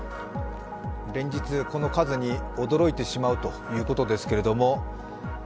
連日、この数に驚いてしまうということですけれども。